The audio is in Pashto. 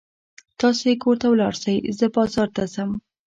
تاسې کور ته ولاړ شئ، زه بازار ته ځم.